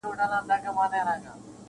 • تېر له هري ورځي جنګ اوعداوت سو -